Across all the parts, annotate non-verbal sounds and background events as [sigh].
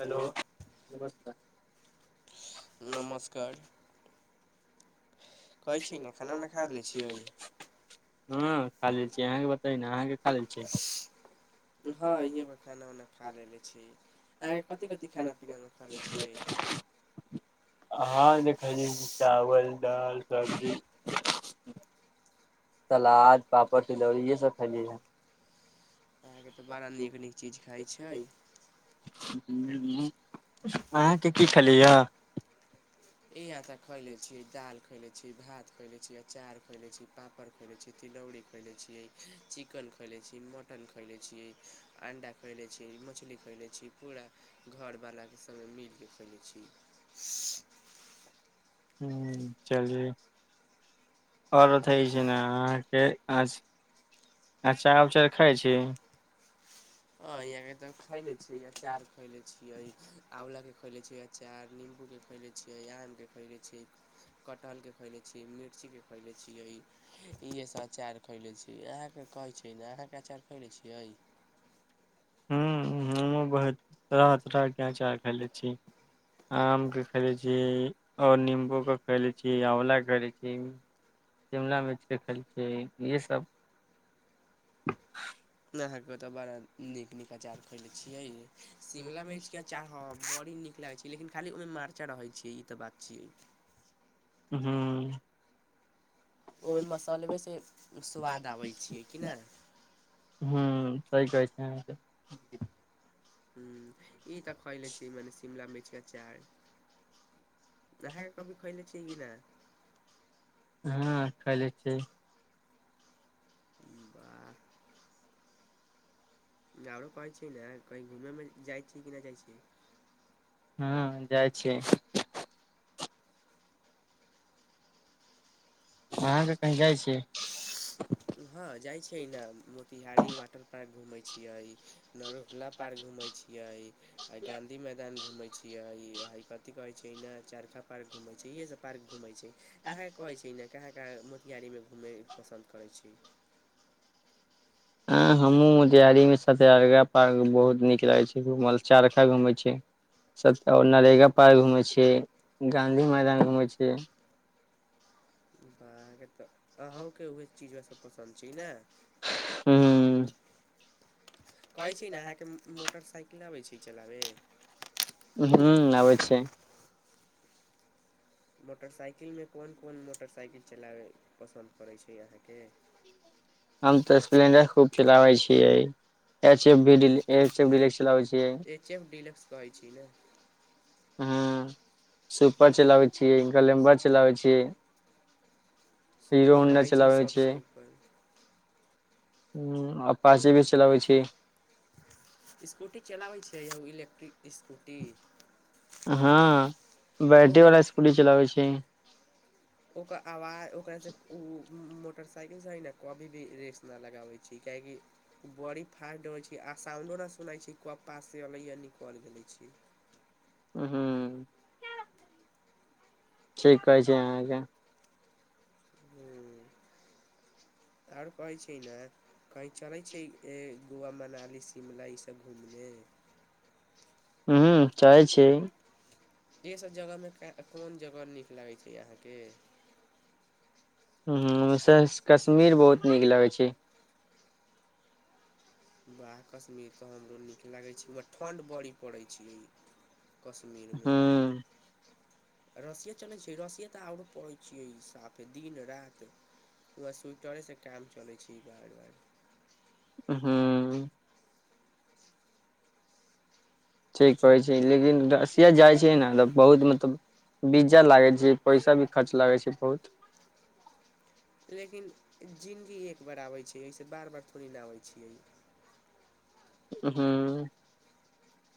hello नमस्कार नमस्कार कहै छी ने खाना उना खा लै छियै हँ खालेल छी अहाँके बतइ ने अहाँके खालेल छै हँ यो खाना उना खा लेले छी आय कथी कथि खाना पीना मे ख ले छिय हंँ [unintelligible] हँ खयले चावल दाल सब्जी सलाद पापड़ तिलौरी ये सब खली है अहाँके तऽ बड़ा नीक नीक चीज खाइ छै ह अहाँके की खलिय ई आ ता खयले छिय दालि खयने छी भात खयने छी अँचार खयने छी पापड़ खैने छी तिलौरी खैलने छीियै चिकन खैले छी मटन खैले छी अंडा खैले छी मछली खैले छी पूरा घरवलाकेँ सङग मिल कऽ खै छी चलू ओर बताइहअहाँके अचछ अचार उचार खाइ छी [unintelligible] ह यहा के तऽ खैले छियै अचार खैले छियै आँवला के खैले छी अचार नीमबू के खैले छीये आम के खैले छीय कटहल के खैले छी मिर्ची के खैले छी छियै इहे सभ आचार खैले छी अहाँके कहै छै ने अहाँके अचार खैले छियै ह हमँ बहुत तरह तरह के आँचार खैले छी आम के खैले छी ओर निम्बू के खैले छी आँवल खैले छी शिमला मिर्च के खैले छियै इएसभ हँ अहा के तऽ बड़ा नीक नीक आचार खयले छियै शिमला मिर्च के अचार हां बड़ी नीक लागै छै लेकिन खाली ओहिमे मारचा रहैत छियै ई तऽ बात छियै हू हँ ओहिमे मसलबेसँ स्वाद आबै छियै कि नहि ह सहि कहै छै ह ई त खयल छै म शिमला मिर्च के अचार कहै कभी खइले छैिय कि न हँ खैले छियै वाह आरो कहै छियै ने कहीँ घूमयमे जाइ छीय कि नहि जाइ छीय हँ जाइ छियै अहाँ के कहीँ जाइ छियै कहीं ना मोतिहारी वाटर पार्क घूमेै छियै न रुखला पार्क घूमे छीयै आ गांधी मैदान घूमे छीयै आ कथि कहै छै चरखा पार्क घूमे छै इे सब पार्क घूमे छै अहाँके कहे छै कहा कहा गाड़ी मे घुमै पसन्द करै छी हँ हमहूँ मोतिहारी मे सतियरगा पार्क बहुत नीक लागैत छै चारखा घूमै छियै नरेगा पार्क घूमेै छियै गाँंधी मैदान घूमै छियै अहाँ केत अहूँके उहे चीज सब पसन्द छै ने हुं कहै छी ने अहाँके मोटरसाइकिल अबै छै चलाबै हू आबै छै मोटरसाइकिल मे कोन कोन मोटरसाइकिल चलाबय पसन्द पड़ैत छै अहाँके ह हम तऽ स्प्लेंडर खूब चलाबै छियै एच एफ भी एच एफ डिलेक्स चलाबै छियै एच एफ डीलफ्स कहै छी ने हँ सुपर चलाबै छी ग्लेमर चलाबै छी हीरो सुपर हौंडा रहै छै चलाबै छी सबसे ऊपर हू इस्कूटी चलाबै छै आ उ इलेक्ट्रिक इस्कूटी हँ बैटरी वाला ओकर इस्कूटी चलाबै छै ओकर आवाज ओकरँ स ओ मो मोटरसाइकिल से है न कभी भी रेस न लगाबै छी काहेकि उ बॉडी फास्ट होे छै आ साउंडो ना सुनै छी कप्पा से अलै या निकल देले छी ह्म ठीक कहै छै अहाँके ह्म आर कहइ छै ने कही चलै छै ए गोवा मनाली शिमला ईसब घूमने ह्म चाहै छै एसभ जगहमे कोन जगह नीक लागै छै अहाँके ह्म सहन कश्मीर बहुत नीक लागैत छै बाह कश्मीर तऽ हमरो नीक लागै छै बट ठण्ढ बड़ी पड़ै छै ई कश्मी हँ रसिया चलै छै रसिया तऽ आरो पड़ै छियै साफे दिन रात त सुटरसँटााम चल छी बार बार [unintelligible] हँ ठीक च कहै छै लेकिन रसिया जाइ छै ने तऽ बहुत मतलब वीजा लागै छै पैसा भी खर्च लागै छै बहुत लेकिन जिन्दगी एक बार आबै छै एहिस बार बार थोड़े न आबै छियै हँ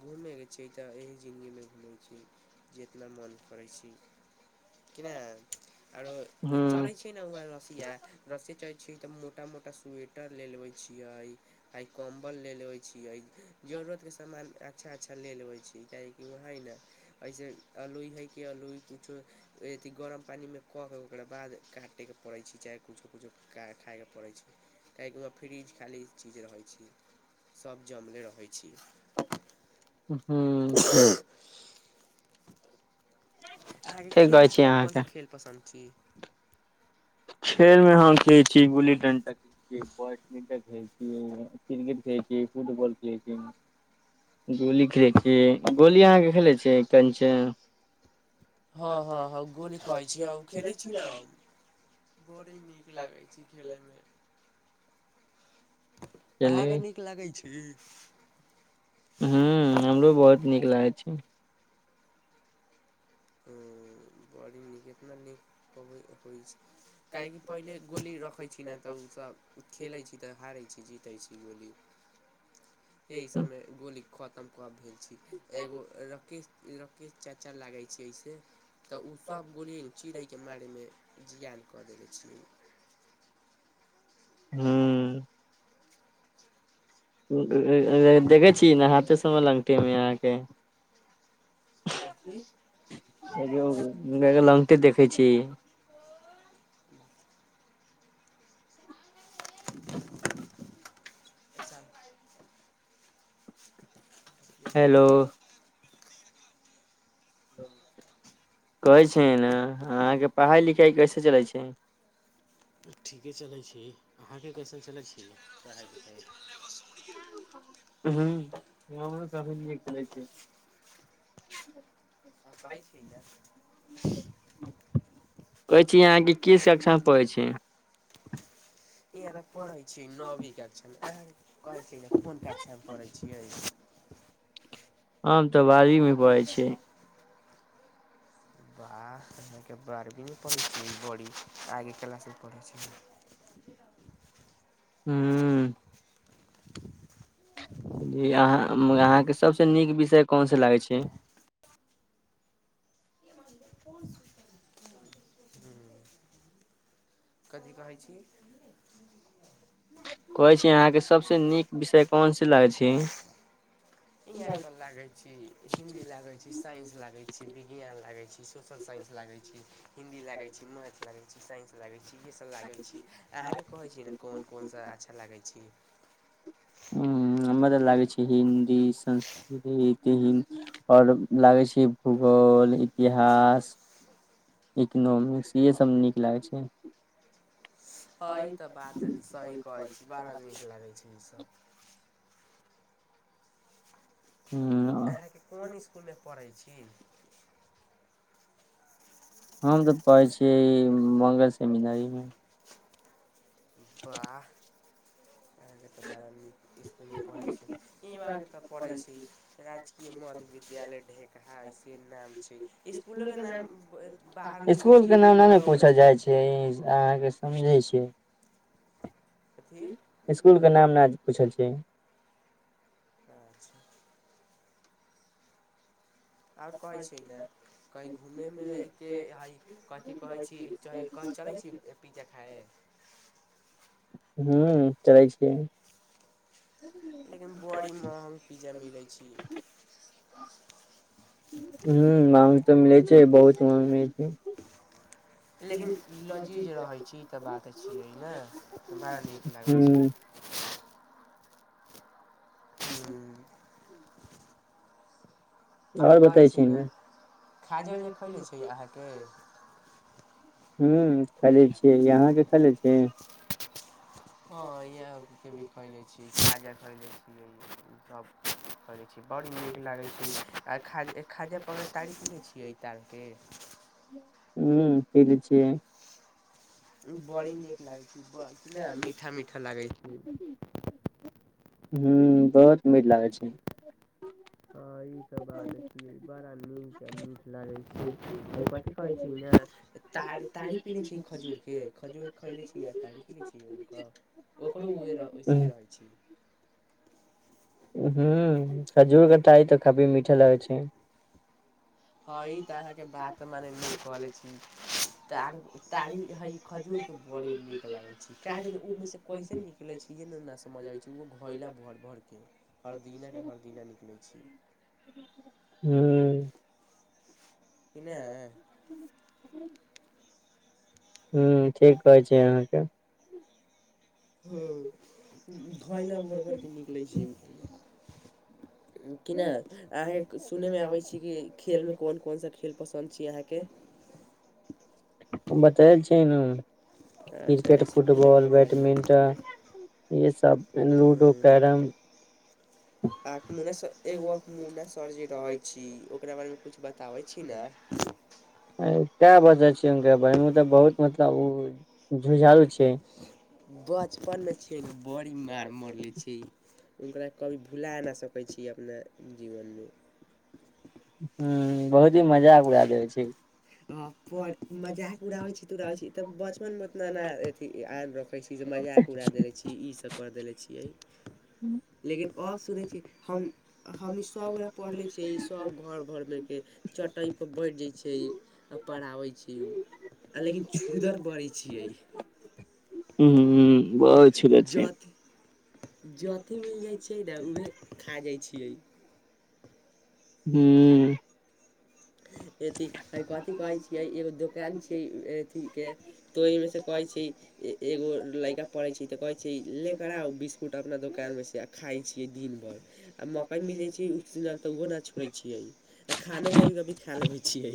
घूमेके छै तऽ एही जिन्दगीमे घूमै छी जितना मोन करै छी की नहि आरो हूँ चलइ छै ने ओ हैरसिया रस्सि चलइ छ तऽ छोटा मोटा स्वेटर ले लेवै छियै आइ कम्बल ले लेबै छियै जरूरतके सामान अच्छा अच्छा ले लेबै छी काहेकि ओ हइ ने अइसे अलोइ हइ कि अलोइ कुछो अथी गरम पानिमे कऽ के ओकरा बाद काटेके पड़ै छै चाहे कुछो कुछो खायके पड़ै छै काहि फ्रिज खालाली चीज रहैत छी सभ जमले रहैत छी हूँ हँ अहाँके ठीक खेलमे कहै छी कोन कोन अहाँके सा खेल पसन्द छी खेल मे खेलै छी गुल्ली डंटा खेलै छी बैडमीन्टन खेलै छी क्रिकेट खेलै छि फुटबॉल खेलै छि गोली खेलै छियै गोली अहाँके खेलै छियै कनचा हँ हँ हँ गोली कहैत छी खेलैत छी न बड़ी नीक लागै छै खेलैयमे चली अहाँके नीक लगैत छैक ह्म हमरो बहुत नीक लागैत छै ओ बड़ी निक एतना नीक होइ छै काहेकि पहिले गोली रखय छी ने तऽ ओसभ खेलै छी तऽ हारै छी जी दै छि गोली एहि समय गोली खतम कब भेल एगो रकेेश रकेेश चाचा लागै छै एहिसे [inaudible] तऽ ओसभ गोली चिड़ैके मारेमे जियान कऽ देेले छि [inaudible] हू देखै छीयै नहाे सममे लगटेमज अहाँके [unintelligible] कथी [unintelligible] लंगटे देखैत छी हैलो कहै छियै न अहाँके पढ़ाइ लिखाइ कैसे चलै छै ठीके चलैत छी अहाँके कइसन चलैत छी ह हमभी न खेलै छै कहै छियै ने कहै छी अहाँके की सक्षा पै छी इह तऽ पढ़ै छीयै नवी कक्ष कहै छै कोन कक्षा पढ़ै छियै आम तऽ बड़ीमे पड़ै छै आके बारहवीमे पढ़ै छिय बी आगे क्लासमे पढ़ै छ ी र [inaudible] हू जी अहाँ अहाँके सभसँ नीक विषय कोनसँ लागै छै [inaudible] ी कहै छी [unintelligible] कहै छी अहाँके सभस नीक विषय कोनस लागै छै लागे छी हिंदी लागे छी साइंस लागे छी विज्ञान लागे छी सोशल साइन्स लागैत छी हिन्दी लागै छी मैथ लागै छी साइन्स लागै छी इहे सभ लागै छी अहाँके कहैत छी ने कोन कोन सभ अच्छा लागै छी हूँ हमरा लागे छै हिन्दी संस्कृत हिं आओर लागै छै भूगोल ल इतिहास इकनोमिक्स इएहसभ नीक लागै छै हँ ई तऽ बात सही कहै छी बड़ा नीक [inaudible] लागै छै ईसभ हुँ अहाँके कोन इसकुल पढ़ै छी हम तऽ पै छियै मङंगल सेमिनारीमे वाह आ तऽ बारीक इसकुलमे पढ़ैत छी इ आ तऽ पढ़ै छी राजकीय मध्य विद्यालय ढेकहा ऐसे नाम छै इसकुल इसकुलोके नाम बाहर लिखै छै के ओ नाम न ने लिखलहु पूछल जाय छै अहाँके समझे छी [inaudible] की नहि पूछल छै अच्छा ओर कहै छै ने कही घूमे मे के ह कथिी कहै छी चलै छी पिज्जा खौ हू चलै छियै लेकिन बड़ी महंग पिज्जा मिलै छी हूँ महंग तऽ मिलै छै बहुत महंग मिलै छै लेकिन लजीज रहै छी ई तऽ बात छियै ने बड़ा नीक लागै हूँ छी ह्म आओर कहै छी ने खाजे उजे ने खैले छिये अहाँके हूँ खैले हँ इएह भी खरीदै छियै खिजा खरीदै छियैसभ [inaudible] छी बड़ी नीक लागैत छै आ खाद खाजा पर तारी पीने छियै [inaudible] डालके हूँ पीले छियै [inaudible] बड़ी नीक लागै छै कितना मीठा मीठा लागै छै हूँ बहुत मीठ लागै छै के बाद बड़ा नीक मीठ लागे छै कथी कहै छी ने तऽ तार तारी पीने छिये खजूरके खजूर खैले छी आ तारी ओकरो उहे वैसीए रहै छी हूँ खजूर कटाइ तऽ खजूर मीठा लगै छै हँ ई तऽ अहाँके बात मने नहि कहले छी तार तारी हय खजूरके बड़ नीक लागैत छै कियाकि ओहिमे से कैसे निकलैत छै [inaudible] ई न ना समझ आबै छै ओहो घैला भर भारके हरदिना के हरदिना निकलै छी [inaudible] [inaudible] की नै हू ठीक कहै छी अहाँके हूँ घइला भर भरके निकलै छै कि नहि अहाँके सुनैमे आबैत छी कि खेलमे कोन कोन सा खेल पसन्द छी अहाँके [inaudible] बताय छै न अच्छा क्रिकेट ऐसे भूलैके फुटबॉल बेमारी हइ बैडमिंटन ई सब लूडो कैरम आठ मुन्ना एगो अख मुन्ना सर जी रहे कै छी ओकरा बारे मे कुछ बताबे छी ना [inaudible] एय कए बजै छि बहिन मे तऽ बहुत मतलब झुझारू छी [inaudible] बचपन मे छै बड़ी मार मरले छैइ हुनकरा कभी भुला नहि सकै छी अपना जीवनमे ह बहुत ही मजाक उड़ा देबै छी अ बड़ मजाक उड़ावे छी त उड़ावे छी तब बचपन मे ओतना नइ अथि आइन रखे छी जे मजा [inaudible] मजाक उड़ा देले छियै ईसब कर देले छियै [inaudible] उंहू लेकिन आओर सुनै छी हम हमनी सबगोरा पढ़िले छियै ई सब घर मे के कटइ पर बढ़ि जाइ छै तऽ पढ़ाबै छी लेकिन छूदर बड़ी छियै हूँ बहुत छुदर छै [inaudible] जथ जथे मिल जाइ छियै ने उहे खा जाइ छियै हूँ ऐथी हइ कथी कहे छीयै एगो दुोकान छीे एथी के ते मे से कहे छी एगो लड़का पढ़ै छै तऽ कहै छै लेेक आउ बिस्कुट अपना दोकानमे से आ खाइ छै दिन भर आ मकइ मिलै छै उस तऽ ओहो नहि छोड़ै छियै आ खानो कभी कभी खा लेबै छियै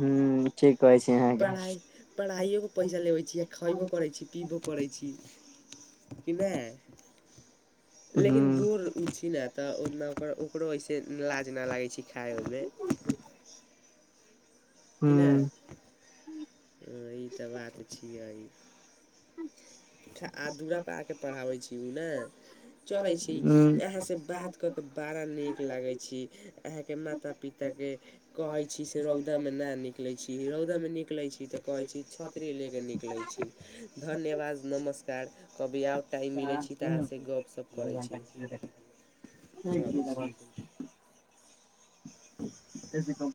हूँ ठीक कहै छी अहाँके पढ़ाइ पढ़ाइओके पैसा लेबै छीयै आ खयबो हूँ करै छी पीबो करै छी कि नहि लेकिन हूँ दूर उ छी नै त ओना ओकर ओकरो अहि से लाज न लागै छि खााय ओइमे कि नहि ई त बात छियै ई अच्छा आ दुरापर आके पढ़ाबै छी ओ ने [inaudible] चड़े छी आहाँ स बात क के बड़ा नीक लागे छै छी आहाके माता पिता के कहै छी से रौद मे न निकलै छी रौदमे निकलै छी तऽ कहै छी छत्री ले के निकलै छी धन्यवाद न नमस्कार कभी आउ टाइम मिलैत छै तऽ अहाँसँ गपशप करैत छी [unintelligible] हूँ